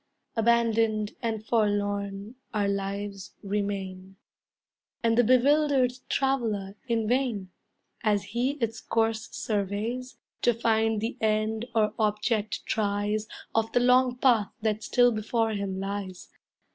Abandoned and forlorn Our lives remain; And the bewildered traveller, in vain, As he its course surveys, To find the end, or object tries, Of the long path that still before him lies.